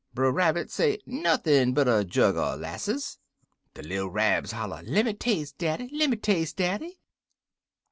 "Brer Rabbit say, 'Nothin' but er jug er 'lasses.' "De little Rabs holler, 'Lemme tas'e, daddy! Lemme tas'e, daddy!'